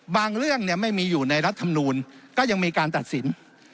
เรื่องไม่มีอยู่ในรัฐธรรมนูลก็ยังมีการตัดสิน